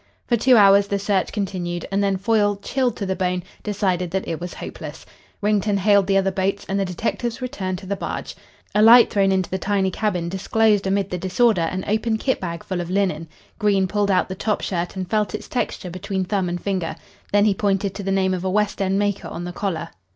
For two hours the search continued, and then Foyle, chilled to the bone, decided that it was hopeless. Wrington hailed the other boats, and the detectives returned to the barge. A light thrown into the tiny cabin disclosed amid the disorder an open kit bag full of linen. Green pulled out the top shirt and felt its texture between thumb and finger. Then he pointed to the name of a West end maker on the collar.